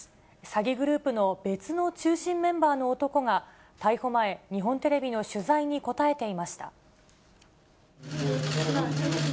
詐欺グループの別の中心メンバーの男が、逮捕前、日本テレビの取材に応えていました。